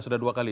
sudah dua kali